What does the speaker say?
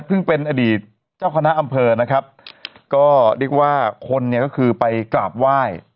ซึ่งเป็นอดีตเจ้าคณะอำเภอนะครับก็เรียกว่าคนเนี่ยก็คือไปกราบไหว้